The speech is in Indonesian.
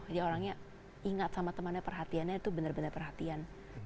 jadi orangnya ingat sama temannya perhatiannya itu benar benar perhatian